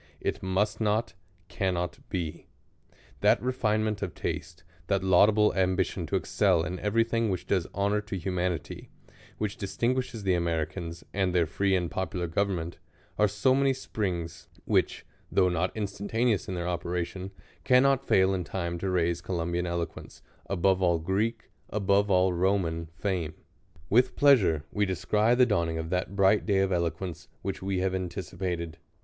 It must not, cannot be. That refinement of taste, that laudable ambition to excel in every thing which does honor to humanity, which distinguishes the Americans, and their free and popular government, are so many springs, which, though not instantaneous in their operation, cannot foil in time to raise Co lumbian eloquence " above all Greek, above all Roman fame." With pleasure we descry the dawning of that bright day of eloquence, which we have anticipated.